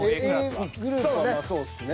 Ａグループはまあそうっすね。